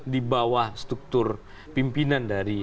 di bawah struktur pimpinan dari